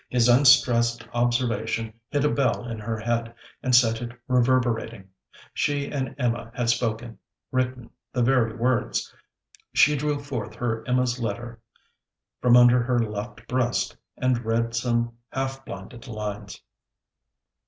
His unstressed observation hit a bell in her head, and set it reverberating. She and Emma had spoken, written, the very words. She drew forth her Emma's letter from under her left breast, and read some half blinded lines.